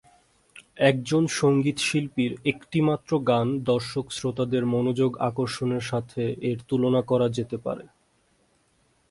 একজন সঙ্গীত শিল্পীর একটিমাত্র গান দর্শক-শ্রোতাদের মনোযোগ আকর্ষণের সাথে এর তুলনা করা যেতে পারে।